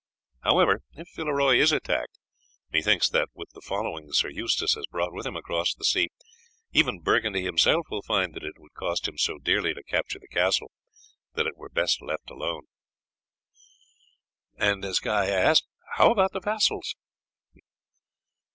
However, if Villeroy is attacked, methinks that with the following Sir Eustace has brought with him across the sea even Burgundy himself will find that it would cost him so dearly to capture the castle that it were best left alone." "How about the vassals?"